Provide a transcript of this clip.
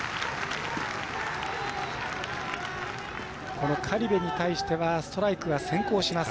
この苅部に対してはストライクが先行します。